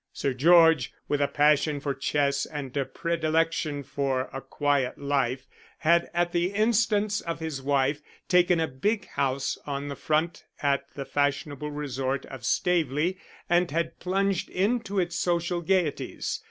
Sir George, with a passion for chess and a predilection for a quiet life, had at the instance of his wife, taken a big house on the front at the fashionable resort of Staveley and had plunged into its social gaieties.